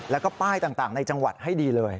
แล้วก็ป้ายต่างในจังหวัดให้ดีเลย